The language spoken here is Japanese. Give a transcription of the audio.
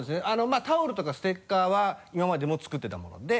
まぁタオルとかステッカーは今までも作ってたもので。